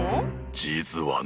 実はね。